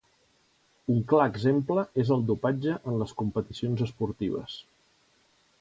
Un clar exemple és el dopatge en les competicions esportives.